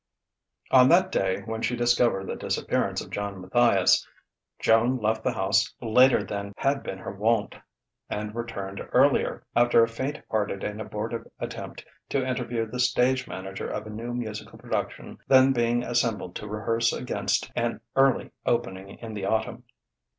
XII On that day when she discovered the disappearance of John Matthias, Joan left the house later than had been her wont, and returned earlier, after a faint hearted and abortive attempt to interview the stage manager of a new musical production then being assembled to rehearse against an early opening in the Autumn.